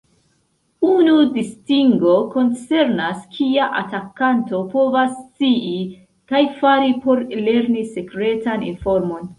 Unu distingo koncernas kia atakanto povas scii kaj fari por lerni sekretan informon.